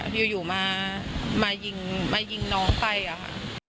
อยู่อยู่มามายิงมายิงน้องไปอ่ะค่ะ